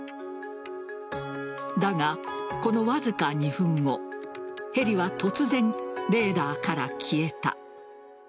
だが、このわずか２分後ヘリは突然、レーダーから消えた。